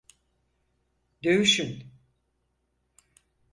Dövüşün!